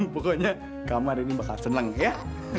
pokoknya kamu hari ini bakal seneng ya